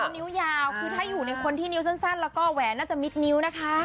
นิ้วยาวคือถ้าอยู่ในคนที่นิ้วสั้นแล้วก็แหวนน่าจะมิดนิ้วนะคะ